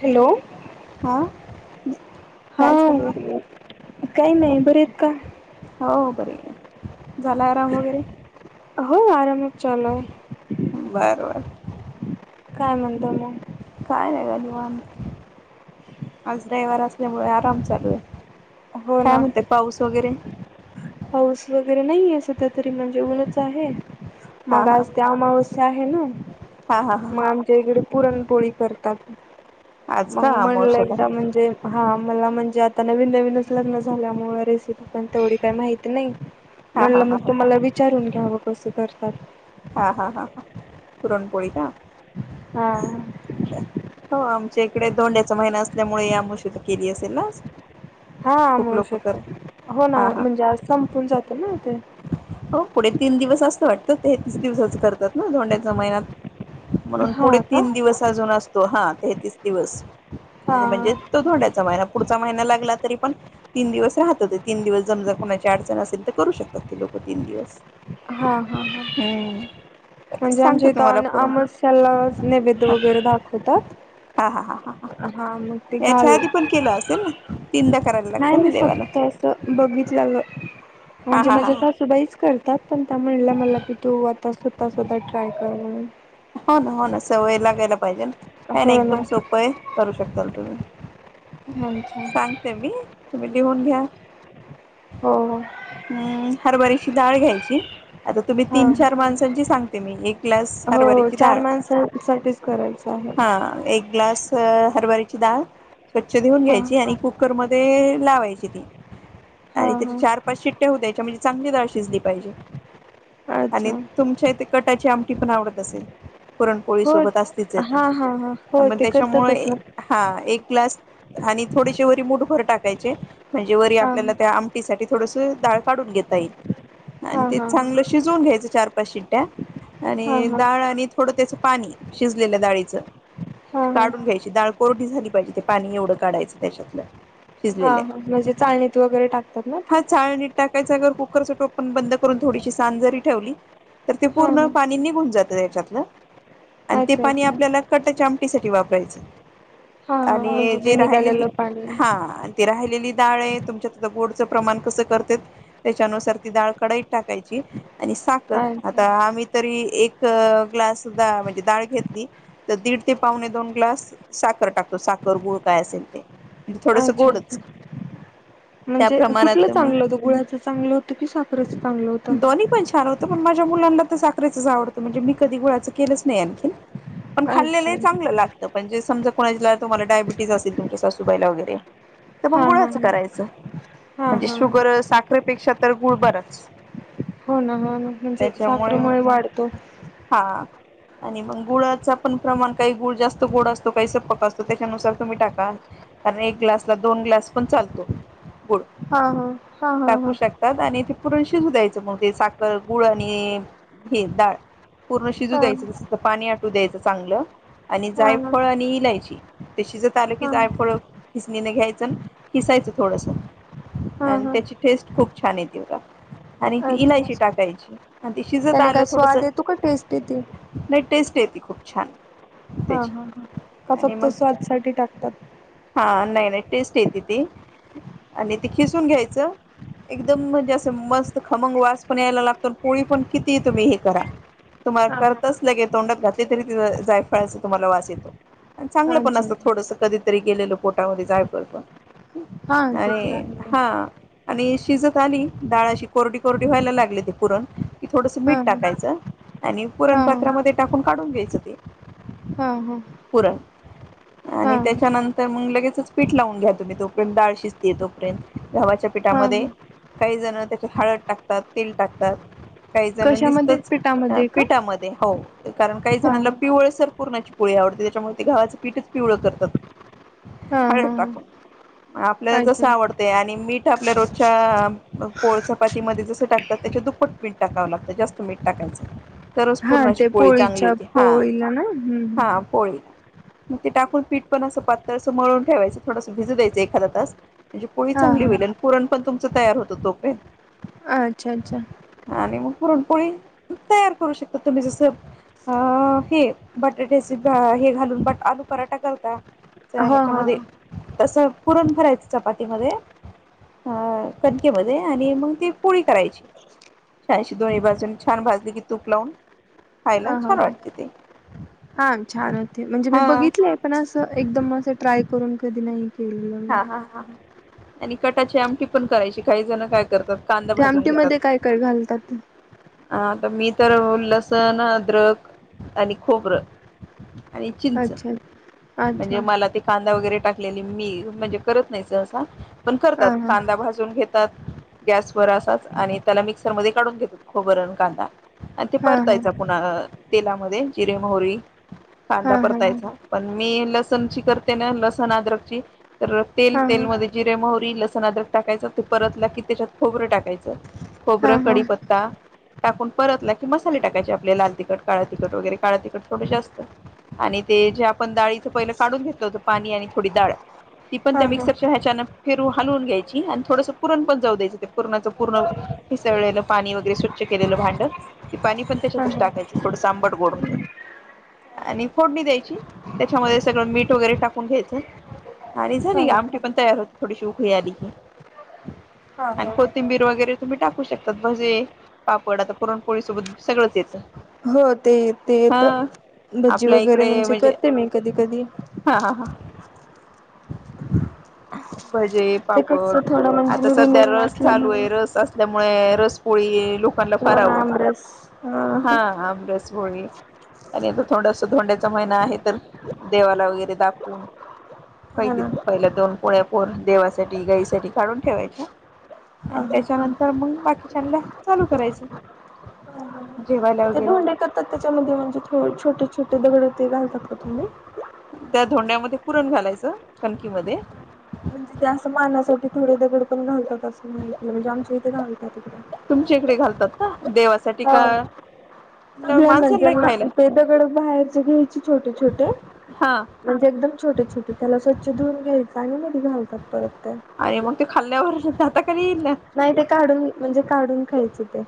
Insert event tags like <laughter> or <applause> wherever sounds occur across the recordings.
Hello हा हा काय चालू आहे काय नाही बरेहेत का? हो बरे हे झाला आराम वगैरे? व्ह आराम चलो बरं बर काय म्हणता म हा आज रयवार असल्यामुळ आराम चालू आहे. हो काय ना म्हणत पाऊस वगैरे? पाऊस वगैरे नाहीये सध्या तरी म्हणजे उनच आहे. हा मग हा आज ते अमावस्या आहे ना, हा हा हा मग आमच्या इकडे पुरणपोळी करतात. आज मग का म्हणलं अमावश्याला एकदा म्हणजे हा मला म्हणजे आता नवीन-नवीन. लग्न झाल्यामुळे रेसिप पण तेवढी काही माहिती नाही. हा हा म्हणलं हा मग तुम्हाला विचारून घ्यावं कसं करतात. हा-हा ह पुरणपोळी का? हा हो आम. च्याकडे धोंड्याचा महिना असल्यामुळे या अमावस्या चे केली असेल ना आज. हा खूप लोक अमावस्या कर च हो ना हा हा म्हणजे आज संपून जातं ना. ते हो पुढे तीन दिवस असतं वाटतं ते तीच दिवसाच करतात ना धोंड्या च्या महिन्यात म्हणून पुढे हा का तीन दिवस अजून असतो हा ते दिवस, हा म्हणजे हा तो धोंड्या चा महिना पुढचा महिना लागला. तरी पण, तीन दिवस राहत ते तीन दिवस जमजर कोणाची अडचण असेल तर करू शकतात ते लोक. तीन दिवस.. हा हा ह हम्म म्हणजे आमच्या सांगतो इथ तुम्हाला करून अमावस्या ला च नैवेद्य हा वगैरे दाखवतात हा हा हा हा मग ते याच्या घाल.... आधी पण केलं <unintelligible> नाही लागतं ना मी देवाला फक्त असं बघितल्याल. हा म्हणजे हा हा माझ्या हा सासूबाईच करतात पण त्या म्हणलं मला की तू... आ सुद्धा सुद्धा ट्राय कर म्हणून... हो ना हो ना सवय लागयला... पहिजेना.. नाय नाय हो ना एकदम सोप आहे करू शकता... ह... अच्छा सांगते मी... तुम्ही लिहून घ्या. हो हो हं हरभरायची... डाळ घ्यायची. आता तुम्ही हा तीन चार माणसांची सांग. ते मी एक... ग्यास हो हो हरभऱ्याची.. चार माणसांसाठीच करायच आहे. स हरवरीची डाळ... कच्छी धुऊन हा घ्यायची आणि कुकर म.. ते लावायची ती.. हा आणि तिथ चार हा पाच शिट्ट्या हो द्यायच्या म्हणजे चांगली शिजते. डी.. अच्छा आणि तुमच्या इथे कटाची आमटी पण आवडत... तसेल... पुरणपोळी हो सोबत असतीच आहे ती हा हा हा हो पण ते त्याच्यामुळे करतातच ना हा एक ग्लास... आणि थोडेसे वरी मुठभर टाकायची.... म्हणजे वरी हा आपल्याला त्या आमटीसाठी थोडंसं... डाळ काढून घेता येईल... आणि हा ते हा हा चांगलं शिजवून घ्यायचं चार... पाच शिट्या... हा आणि हा डाळ आणि... त्याच पाणी शिजलेल्या डाळीचं... हा हा काढून घ्यायची डाळ कोर झाली पाहिजे ते पाणी एवढं काढायचं त्याच्यातलं हा शिजलेल्या म्हणजे चाळणीत वगैरे टाकतात ना ते त्या जागेवर कुकरच टोपण बंद करून थोडीशी सांजरी ठेवली. तर ते हा पूर्ण हा पाणी निघून जातंय ऐच्यातल आणि ते अच्छा पाणी अच्छा आपल्याला कटाच्या आमटीसाठी वापरायचं हा हा आणि म्हणजे ते जे राहिलेली निघालेलं पाणी हा ती राहिलेली डाळ आहे तुमच्यात गोडचं प्रमाण कस करते त्याच्यानुसार ती डाळ कडाईत टाकायची. आणि साखर अच्छा आता आम्ही तरी एक तो ग्लास सुद्धा डाळ घेतली. तर दीड ते पावणे दोन ग्लास साखर टाकतो साखर गुळ काय असेल ते थोडसं आच्छा आच्छा गोडच त्या म्हणजे प्रमाणात कुठलं तुम्ही चांगलं होतं गुळाच चांगलं होत कि साखरच चांगलं होत. साखरेचच आवडत म्हणजे मी कधी गुळाच केलंच नाही आणखीन पण अच्छा खाल्लेलं चांगलं लागतं म्हणजे समजा कुणाला तुम्हाला डायबिटीस असेल तुमच्या सासूबाई ला वगैरे तर मग हा हा गुळाच करायचं हा हा म्हणजे हा शुगर साखरेपेक्षा तर गुळ बराच हो ना हो ना म्हणजे त्याच्यामुळे साखरेमुळे वाढतो हा. आणि मग गुळाचा पण प्रमाण काही गुळ जास्त गोड असतो काही सपक असतो त्याच्यानुसार तुम्ही टाका कारण एक ग्लासला दोन ग्लास पण चालतो. गुड हा हा हा हा टाकू शकतात आणि ते - पुर्ण शिजू द्यायचं मग ते साखर गुळ आणि हे डाळ पूर्ण शिजू हा हा द्यायच आता पाणी आटू द्यायचं चांगलं आणि हा हा जायफळ आणि इलायची ते शिजत आलं की हा जायफळ खिसणीने घ्यायच अन खिसायचं थोडस हा आणि हा त्याची टेस्ट खूप छान येते बगा आणि एक अच्छा इलायची अच्छा टाकायची. आणि ते शिजत त्याने काय स्वाद येतो का टेस्ट येते. नाइ टेस्ट येती खूप छान हा त्याची. हा का आणि फक्त मग स्वादसाठी टाकतात. हा नाही टेस्ट येती ते आणि ते खिसून घ्यायच एकदम म्हणजे अस मस्त खमंग वास पण यायला लागतो न पोळी पण किती तुम्ही हे करा तुम्हाला हा हा करतच लगे तोंडात घातले तरी ते जायफळाचा तुम्हाला वास येतो. चांगलं पण अच्छा असत थोडंसं कधी - तरी गेलेलो पोटामध्ये जायफळ पण हा ते तर आणि आहे हा आणि - शिजत आली डाळ अशी कोरडी कोरडी व्हायला लागली ते पुरण की थोडंसं हा मीठ हा टाकायचं आणि- हा पुरणपात्रामध्ये टाकून काढू घेयच ते. ह ह पुरण आणि त्याच्यानंतर मग लगेचच पीठ लावून घ्या तुम्ही तोपर्यंत डाळ शिजतिये तोपर्यंत गव्हाच्या हा हा पिठामध्ये काही जण हळद टाकतात, तेल टाकतात. काही जण कशामध्ये? निसतच पिठामध्ये? का पिठामध्ये हो, कारण काही हा जणांला हा पिवळसर पुरणाची पोळी आवडते त्याच्यामुळे ते गव्हाचं पीठच पिवळं करतात. हा हळद हा टाकून, हा आपल्याला अच्छा जसं आवडतय आणि मीट आपल्या रोजच्या पोळ चपातीमध्ये जसं टाकतात त्याच्या दुप्पट पीठ टाकावं लागतं जास्त मीठ टाकायचं. तरच हा पूर्णाची ते पोळी चांगली पोळीच्या होती हा पोळीला ना हम् हम हा पोळी मग ते टाकून पीठ पण असं पातळ असं मळून ठेवायचं थोडसं भिजू द्यायचं एखादा तास म्हणजे पोळी हा चांगली होईल आणि पुरण पण तुमचं तयार होतं तोपर्यंत. अच्छा अच्छा. आणि मग पुरणपोळी तयार करू शक तर तुम्ही जसं अ हे बटाट्याचे हे घालून आलू पराठा करता चा हो हा ह्याच्यामध्ये हा तसं पुरण भरायच चपातीमध्ये, अ कणकेमध्ये आणि मग ती पोळी करायची छान अशी दोन्ही बाजून छान भाजली की तूप लावून ह खायला ह छान वाटते ते हा छान होते, म्हणजे मी हा बघितलेय पण असं एकदम असं ट्राय करून कधी नाय हा हा हा हा. आणि कटाची आमटी पण करायची काही जण काय करतात. कांदा ते भाजून आमटीमध्ये काय काय घालतात? हा आता मी तर, लसण, अद्रक आणि खोबरं आणि चिंच. अच्छा अच्छा म्हणजे अच्छा मला ते कांदा वगैरे टाक मी म्हणजे करत नाही सहसा. पण करतात हा कांदा भाजून घेत तात गॅस वर असाच आणि त्याला मिक्सर मध्ये काढून घेतात खोबरं अन कांदा आणि ते हा हा परतायचं पुन्हा अ तेलामध्ये जिरे, मोहरी कांदा हा हा हा परतायचा पण मी लसण ची करते ना लसण, अद्रकची तर अ तेल हा तेल हा मध्ये जिरे मोह तील, लसण, अद्रक टाकायचा ते परतला की त्याच्यात खोबरं टाकायचं. खोबरं हा हा कडीपत टाकून परतला की मसाले टाकायचे आपले लाल तिखट, काळ तिखट वगैरे काळ तिखट थोडं जास्त आणि ते जे आपण डाळीचं पहिलं काढून घेतलं होतं पाणी आणि थोडी डाळ ती पण हा त्या हा मिक्सरच्या ह्याच्यान फिरू, हलून घ्यायची आणि थोडसं पुरण पण जाऊ द्यायं ते पुरणाचं पूर्ण हिसळलेला पाणी वगैरे स्वच्छ केलेलं भांडत ते पाणी पण हा हा त्याच्यातच टाकायच थोडं सा आंबट गोड होतं आणि फोडणी द्यायची त्याच्यामध्ये सगळं मीठ वगैरे टाकून घ्यायचं आणि हा झाली आमटी पण तयार होते थोडीशी उखळी आली की हा आणि हा कोथिंबीर वगैरे तुम्ही टाकूशक तात भजे, पापड आता पुरणपोळी सोबत सगळंच येतं. हो ते ये ते हा येतं भज्जी आपल्या वगैरे इकडे म्हणजे करते मी कधी-कधी हा हा हा भजे, ते कस पापड थोडं म्हणजे आता मी बी सध्या नवीन रस चालू असल्यामुळे आहे रस असल्या मुळे रसपोळी लो ओमकार ला फार किंवा ना आवडती, आमरस हा ह आमरस पोळी आणि हे तर थोडासा धोंड्याचा महिना आहे तर देवाला वगैरे दाखवून हा पहिली ना पहिल्या दोन पोळ्या पोरन देवासाठी, गाईसाठी काढून ठेवायचे हा आणि ह त्याच्यानंतर मग बाकीच्याला चालू करायचे जेवायला वगैरे तर त्याच्यामध्ये म्हणजे थोड छोटे-छोटे दगड ते घालतात का तुम्ही धोड्यांमध्ये पुरण घालायच कणकीमध्ये म्हणजे त्या असं मानासाठी थोडे दगड पण घालतात. तसं माहित नाही म्हणजे इथे घाल. <unintelligible> तुमच्या इकडे घालतात का? देवासाठी हा का सगळ्यांना माणसांना ज्यांना खायला ते दगडं बाहेरचा घेयय चे छोटे छोटे हा म्हणजे एकदम छोटे-छोटे त्याला अशे छ धुवून घ्यायचं आणि मधी घालतात परत ते. आणि मग ते खाल्ल्यावर राहतक नाही ते काढून म्हणजे काढून ख्यायचे ते.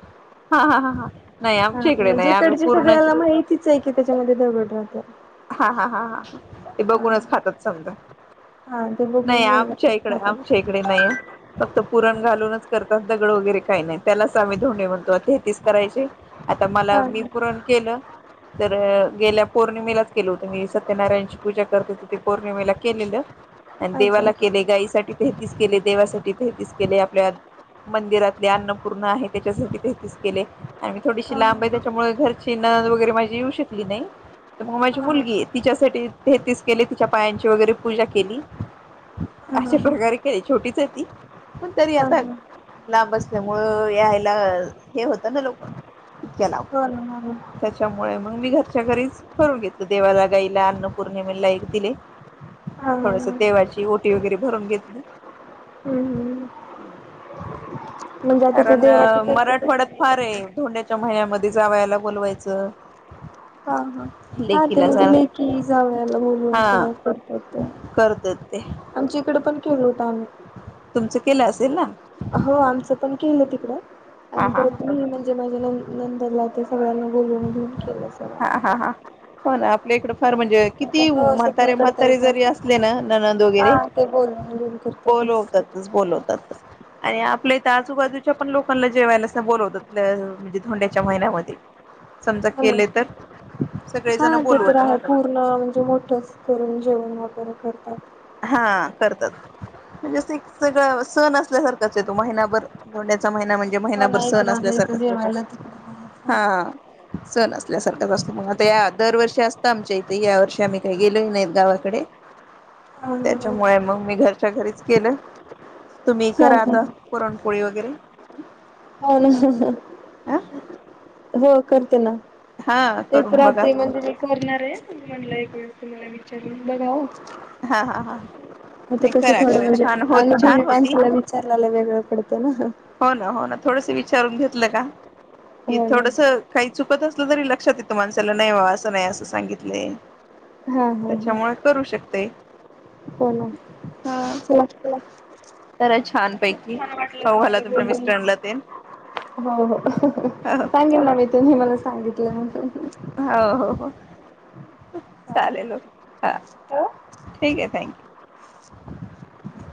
हा हा हा हा. नाही हा आमच्या इकडे नाही म्हणजे आम्ही इकडच्या पूर्णाचे सगळ्याला माहितीच आहे की त्याच्यामध्ये दगड राहत्यात. हा हा हा हा ते बघूनच खातात समजा हा ते बघून नाही आमच्या व्यवस्थित इकडे खातात आमच्या इकडे नाही हा. फक्त पुरण घालूनच करतात दगड वगैरे काही नाही त्यालाच आम्ही धोंडे म्हणतो आता ते तेच करायचे. आता मला हा मी पुरण केलं तर गेल्या पौर्णिमेलाच केलं होत म सत्यनारायणची पूजा करते, तर ते पौर्णिमेला केलेलं. आणि हा अच्छा. देवाला केले, गाईसाठी तेहतीच केले, देवासाठी तेहतीस केले, आपल्या मंदिरातले अन्नपूर्ण आहे त्याच्यासाठी तेहतीच केले आणि मी थोडीशी हा लांब आहे त्याच्यामुळे, घरची न वगैरे माझी येऊ शकली नाही तर मग माझ हा मुलगी तिच्यासाठी हे तच केले तिच्या पायांची वगैरे पूजा केली. हा हा अशा प्रकारे केली छोटीच आहे ती पण तरी हा आता हा लांब असल्यामुळं यायला हे होतं ना लोक इतक्या लांब. हो ना हो हा बोल. मुळे मग मी घरच्या घरीच करून घे देवाला, गाईला, अन्नपौर्णिमेला एक दिले हा थोडस हा. देवाची ओटी वगैरे भरून घेतली. हम्म हम्म. म्हणजे आता ते कारण देवाचे करतातच ना मराठवाड्यात फार याच्यामध्ये आहे धोंड्याच्या महिन्यामध्ये जावायला बोलवायचं. हा हा हा. ते लेकीला म्हणजे जा लेकी जावयाला बोलून हा सुरुवात करतात ते करतात ते आमच्या इकडे पण केल होत आम्ही. तुमच केलं असेल ना? हो आमचं पण केम तिकड हा आणि हा परत म्हणजे माझे नंदला. ते सगळ्यांना बोलून बिन केलं सगं पण आपल्या इकडे फार म्हण म्हण किती म्हातारे सगळीकडे म्हातारे तेच जरी असतं असले ना ननंद वगैरे हा ते बोलवून घेऊन करतातच बोलवतातच बोलवतात. आणि आपल्या त्या आजूबाजूच्या पण लोकांना जेवायला अस बोलवतात त्या म्हणजे धोंड्याच्या महिन्यामध्ये समजा हा ना. केले तर हा सगळेजण ते तर बोलवत आहे राहतात. पूर्ण म्हणजे मोठच करून जेवण वगैरे. करतात. हा करतात म्हणजे सगळं सण असल्यासारखंच येतो महिनाभर धोडण्याचा महिना म्हणजे हो महिनाभर ना सण इकडं अस जाायचं असल्यासारखाच जेवायला त हा सण असल्यासारखाच असतो मग आता या दरवर्षी असतं आमच्या इथे या वर्षी आम्ही काही गेलेलो नाही गावाकडे हो हो त्याच्यामुळे मग मी घर घरच्या घरीच केलं तुम्ही करा का आता पुरण पोळी वगैरे आवाज नीट ऐकू येत नाही ह हो करते ना हा तेच करून बघा राहते म्हणजे मी करणार आहे त म्हणलं एक वेळे तुम्हाला आवाज नीट ऐकू येत नाही हा हा हा आता नाही कस करा थोडं करा म्हणजे छान होत अनभूवी छान होती माणसाला विचारल्याला वेगळं पडतं ना हो ना हो ना थोडंस विचारून घेतलं का कि हो ना. थोडस काही चुकत असलं तरी लक्षात येतं माणसाला नाही वा असं नाही असं सांगितले हा हा हा त्याच्यामुळे करू शकत ते हो ना चला जरा छानपैकी वाटल तुम्हाला हो हो हो सांगेल ना मी तुम्ही मला सांगितलं न्हवत हो चालेल हा ठेवू? ठीक आहे थँक यू